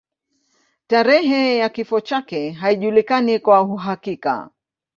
Tarehe ya kifo chake haijulikani kwa uhakika.